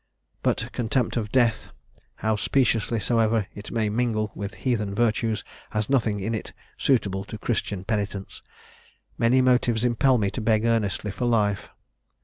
but contempt of death, how speciously soever it may mingle with heathen virtues, has nothing in it suitable to Christian penitence. Many motives impel me to beg earnestly for life.